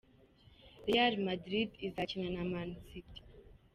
Real Madrid izakina na Man City.